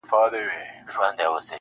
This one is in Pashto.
• نوي نوي تختې غواړي قاسم یاره..